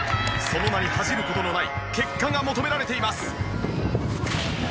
その名に恥じる事のない結果が求められています。